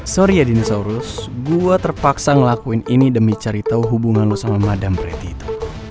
sorry ya dinosaurus gue terpaksa ngelakuin ini demi cari tahu hubungan lo sama madamprety itu